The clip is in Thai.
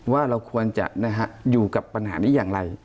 ว่าเราควรจะอยู่กับปัญหานี้อย่างไร